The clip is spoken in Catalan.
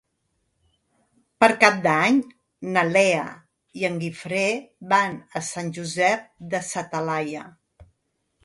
Per Cap d'Any na Lea i en Guifré van a Sant Josep de sa Talaia.